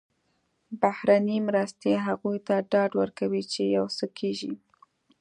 بهرنۍ مرستې هغوی ته ډاډ ورکوي چې یو څه کېږي.